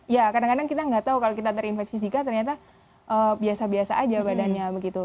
ya kadang kadang kita nggak tahu kalau kita terinfeksi zika ternyata biasa biasa aja badannya begitu